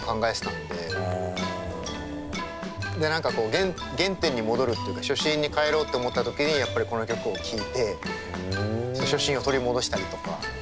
で何か原点に戻るっていうか初心に返ろうって思った時にやっぱりこの曲を聴いて初心を取り戻したりとか。